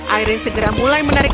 aireen segera mulai menarik